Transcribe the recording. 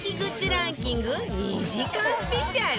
ランキング２時間スペシャル